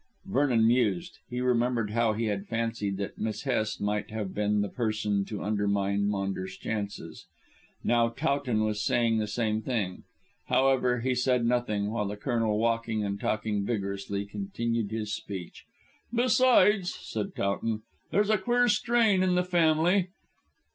Vernon mused. He remembered how he had fancied that Miss Hest might have been the person to undermine Maunders' chances. Now Towton was saying the same thing. However, he said nothing, while the Colonel, walking and talking vigorously, continued his speech. "Besides," said Towton, "there's a queer strain in the family.